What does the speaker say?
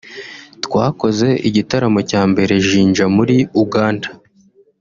twakoze igitaramo cya mbere Jinja muri Uganda